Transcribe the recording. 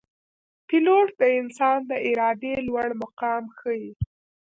پیلوټ د انسان د ارادې لوړ مقام ښيي.